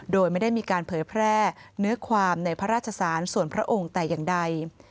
โดยไม่ได้มีการเผยแพร่เนื้อความในพระราชสารส่วนพระองค์แต่อย่างใด